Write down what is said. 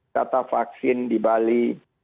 data vaksin di bali